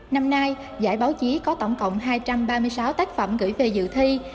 năm nay giải báo chí có tổng cộng hai trăm ba mươi sáu tác phẩm gửi về dự thi